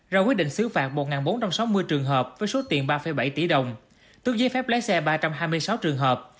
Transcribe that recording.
ra quyết định xứ phạt một bốn trăm sáu mươi trường hợp với số tiền ba bảy tỷ đồng tước giấy phép lái xe ba trăm hai mươi sáu trường hợp